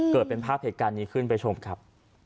เกิดเป็นภาพเหตุการณ์นี้ขึ้นไปชมครับ